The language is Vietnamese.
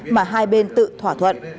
mà hai bên tự thỏa thuận